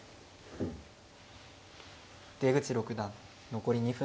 出口六段残り２分です。